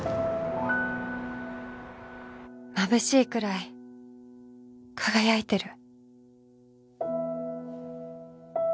まぶしいくらい輝いてる